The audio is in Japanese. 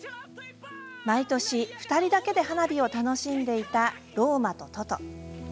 毎年２人だけで花火を楽しんでいたロウマとトト。